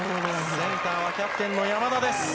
センターはキャプテンの山田です。